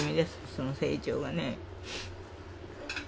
その成長がね。